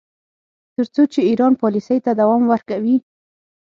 تر څو چې ایران پالیسۍ ته دوام ورکوي.